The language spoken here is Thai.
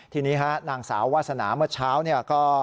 ทีนี้ฮะนางสาววาสนาเมื่อเช้าเนี่ยก็